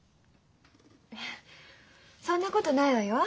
えそんなことないわよ。